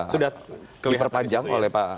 sudah diperpanjang oleh pak